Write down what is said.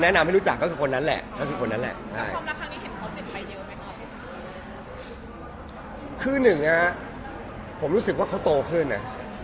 แนะนำให้รู้จักให้คนนั้นแหละนักรองนะแหละคือหนึ่งนะครับผมรู้สึกว่าเขาโตขึ้นน่ะ